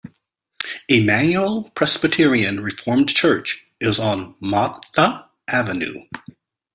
Emmanuel Presbyterian Reformed Church is on Martha Avenue.